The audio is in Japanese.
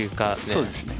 そうですね。